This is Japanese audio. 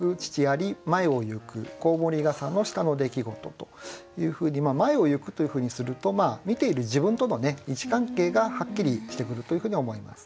というふうに「前を行く」というふうにすると見ている自分との位置関係がはっきりしてくるというふうに思います。